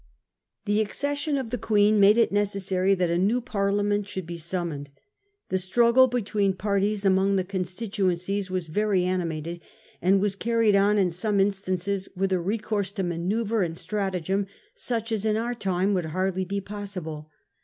The accession of the Queen made it necessary that a new Parliament should be summoned. The struggle between parties among the constituencies was very animated, and was carried on in some instances with a recourse to manoeuvre and stratagem such as in our time would hardly be possible.